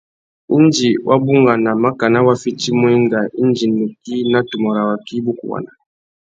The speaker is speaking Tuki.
Indi wa bungana makana wa fitimú enga indi nukí na tumu râ waki i bukuwana.